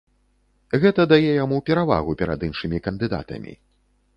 Гэта дае яму перавагу перад іншымі кандыдатамі.